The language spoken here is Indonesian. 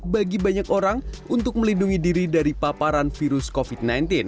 bagi banyak orang untuk melindungi diri dari paparan virus covid sembilan belas